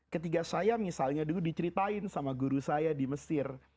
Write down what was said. ketika saya misalnya dulu diceritain sama guru saya di mesir